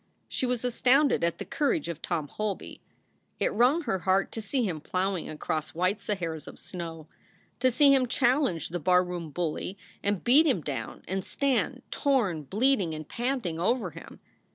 She was astounded at the courage of Tom Holby. It wrung her heart to see him plowing across white Saharas of snow, to see him challenge the barroom bully and beat him down and stand, torn, bleeding, and panting, over him.